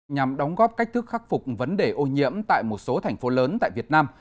nhằm đóng góp cách thức khắc phục vấn đề ô nhiễm tại một số thành phố lớn tại việt nam